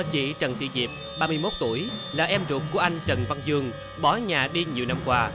chị trần thị diệp ba mươi một tuổi là em ruột của anh trần văn dương bỏ nhà đi nhiều năm qua